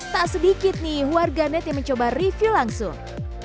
tak sedikit nih warganet yang mencoba review langsung